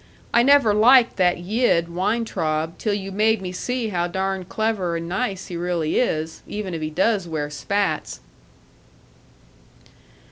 I never liked that Yid Weintraub till you made me see how darn clever and nice he really is, even if he does wear spats."